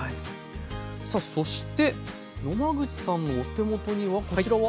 さあそして野間口さんのお手元にはこちらは？